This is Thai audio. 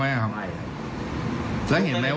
เอาไว้เพื่ออะไรเนี่ย